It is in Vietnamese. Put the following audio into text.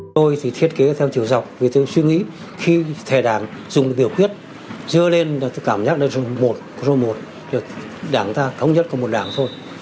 tôi thì thiết kế theo chiều dọc vì tôi suy nghĩ khi thẻ đảng dùng biểu quyết dưa lên cảm giác là r một r một đảng ta không nhất có một đảng thôi